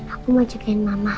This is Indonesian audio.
aku mau jagain mama